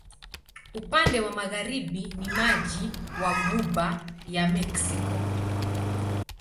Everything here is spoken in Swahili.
Upande wa magharibi ni maji wa Ghuba ya Meksiko.